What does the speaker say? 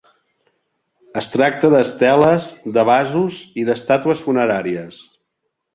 Es tracta d'esteles, de vasos i d'estàtues funeràries.